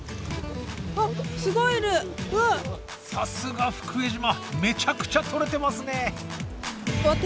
さすが福江島めちゃくちゃとれてますね。